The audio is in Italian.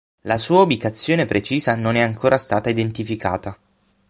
La sua ubicazione precisa non è ancora stata identificata.